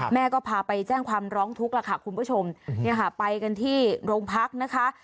แม่ก็พาไปแจ้งความร้องทุกข์แล้วค่ะคุณผู้ชมเนี่ยค่ะไปกันที่โรงพักนะคะ